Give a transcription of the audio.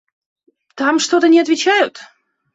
– Там что-то не отвечают.